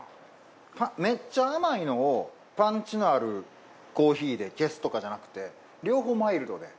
めっちゃ甘いのをパンチのあるコーヒーで消すとかじゃなくて両方マイルドで。